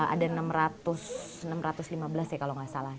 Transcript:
ada enam ratus lima belas ya kalau nggak salah